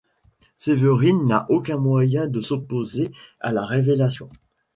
Séverine n'a aucun moyen de s'opposer à la révélation.